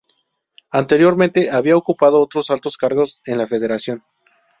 Anteriormente había ocupado otros altos cargos en la Federación.